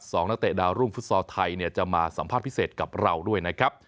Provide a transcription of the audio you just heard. นักเตะดาวรุ่งฟุตซอลไทยเนี่ยจะมาสัมภาษณ์พิเศษกับเราด้วยนะครับ